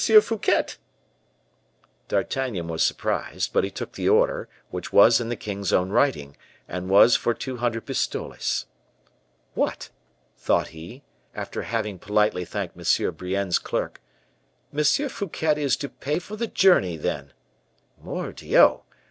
Fouquet." D'Artagnan was surprised, but he took the order, which was in the king's own writing, and was for two hundred pistoles. "What!" thought he, after having politely thanked M. Brienne's clerk, "M. Fouquet is to pay for the journey, then! _Mordioux!